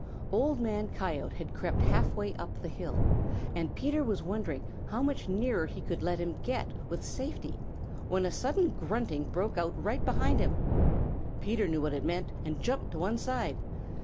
Old Man Coyote had crept half way up the hill, and Peter was wondering how much nearer he could let him get with safety, when a sudden grunting broke out right behind him. Peter knew what it meant and jumped to one side.